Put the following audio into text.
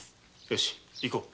よし行こう！